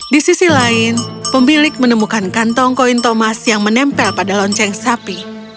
di sisi lain pemilik menemukan kantong koin thomas yang menempel pada lonceng sapi